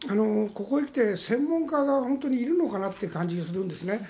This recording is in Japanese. ここへ来て専門家が本当にいるのかなという感じがするんですね。